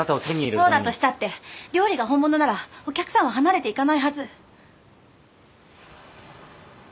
そうだとしたって料理が本物ならお客さんは離れていかないはず。